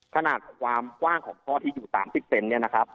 ขนาดความกว้างของท่อที่อยู่๓๐เซนเนี่ยนะครับ